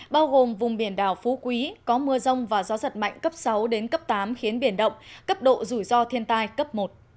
bao gồm vùng biển đảo phú quý có mưa rông và gió giật mạnh cấp sáu đến cấp tám khiến biển động cấp độ rủi ro thiên tai cấp một